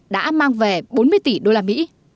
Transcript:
đã mang về bốn mươi tỷ usd